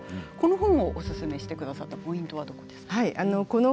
この本をおすすめしてくださったポイントは何ですか？